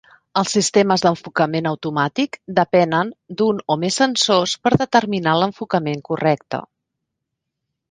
Els sistemes d'enfocament automàtic depenen d'un o més sensors per determinar l'enfocament correcte.